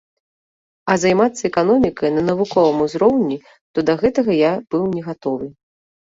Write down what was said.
А займацца эканомікай на навуковым узроўні, то да гэтага я быў негатовы.